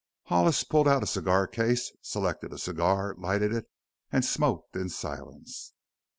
Hollis pulled out a cigar case, selected a cigar, lighted it, and smoked in silence.